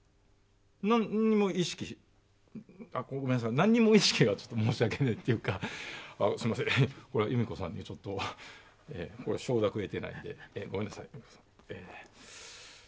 なんにも意識、ごめんなさい、なんにも意識が、申し訳ないというか、すみません、これ、弓子さんに承諾得てないんで、ごめんなさい。